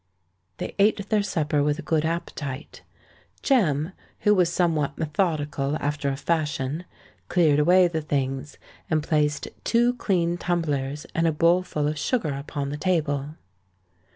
They ate their supper with a good appetite. Jem—who was somewhat methodical after a fashion—cleared away the things, and placed two clean tumblers and a bowl full of sugar upon the table.